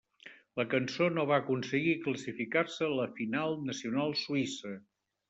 La cançó no va aconseguir classificar-se a la final nacional suïssa.